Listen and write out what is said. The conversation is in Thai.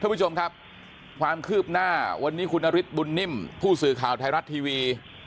คุณผู้ชมครับความคืบหน้าวันนี้คุณนฤทธิบุญนิ่มผู้สื่อข่าวไทยรัฐทีวี